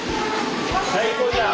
最高じゃん！